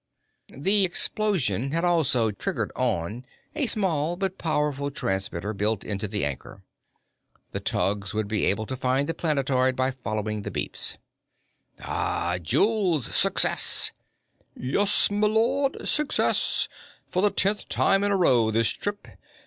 _ The explosion had also triggered on a small but powerful transmitter built into the anchor. The tugs would be able to find the planetoid by following the beeps. "Ah, Jules! Success!" "Yes, m'lud. Success. For the tenth time in a row, this trip.